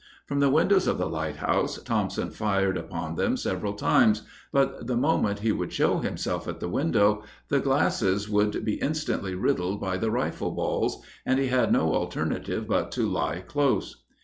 From the windows of the lighthouse Thompson fired upon them several times, but the moment he would show himself at the window, the glasses would be instantly riddled by the rifle balls, and he had no alternative but to lie close.